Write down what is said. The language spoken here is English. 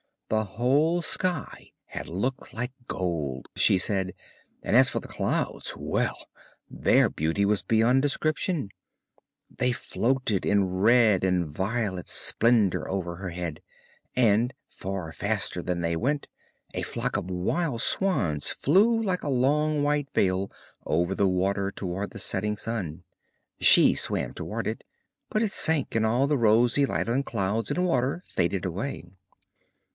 The whole sky had looked like gold, she said, and as for the clouds! well, their beauty was beyond description; they floated in red and violet splendour over her head, and, far faster than they went, a flock of wild swans flew like a long white veil over the water towards the setting sun; she swam towards it, but it sank and all the rosy light on clouds and water faded away.